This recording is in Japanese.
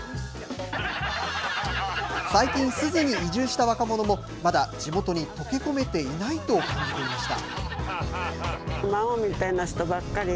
最近、珠洲に移住した若者も、まだ、地元に溶け込めていないと感じていました。